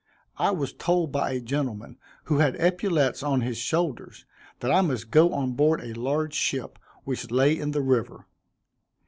I was told by a gentleman who had epaulets on his shoulders, that I must go on board a large ship, which lay in the river.